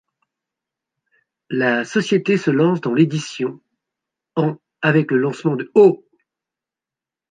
La société se lance dans l'édition en avec le lancement de Oh!